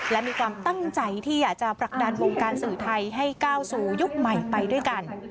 และมีความตั้งใจที่อยากจะผลักดันวงการสื่อไทยให้ก้าวสู่ยุคใหม่ไปด้วยกัน